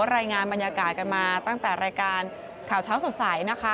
รายงานบรรยากาศกันมาตั้งแต่รายการข่าวเช้าสดใสนะคะ